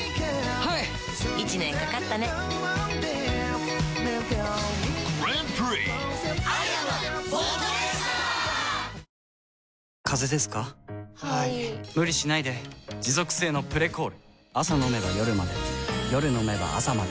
はい・・・無理しないで持続性の「プレコール」朝飲めば夜まで夜飲めば朝まで